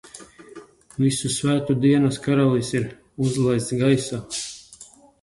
Visu Svēto dienas karalis ir uzlaists gaisā!